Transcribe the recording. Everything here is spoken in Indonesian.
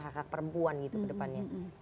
hak hak perempuan gitu ke depannya